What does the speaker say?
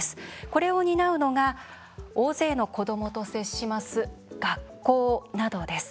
これを担うのが大勢の子どもと接します学校などです。